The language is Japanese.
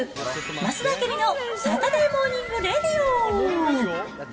増田明美のサタデーモーニング・レイディオ。